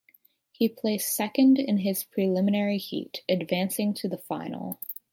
He placed second in his preliminary heat, advancing to the final.